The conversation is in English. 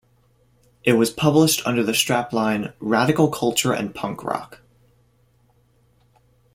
It was published under the strapline 'Radical culture and punk rock'.